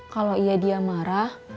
kalau iya dia marah